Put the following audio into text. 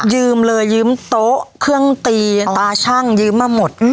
ยืมเลยยืมโต๊ะเครื่องตีตาชั่งยืมมาหมด